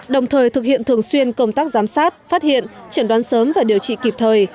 đồng thời thực hiện thường xuyên công tác giám sát phát hiện chẩn đoán sớm và điều trị kịp thời